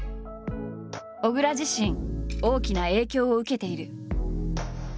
小倉自身大きな影響を受けている。